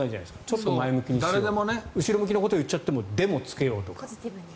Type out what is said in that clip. ちょっと前向きにしようとか後ろ向きのことを言っちゃっても「でも」をつけようとか。